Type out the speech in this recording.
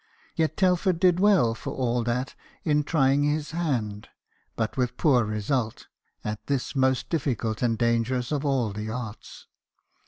Yet Telford did well for all that in trying his hand, with but poor result, at this most difficult and dangerous of all the arts.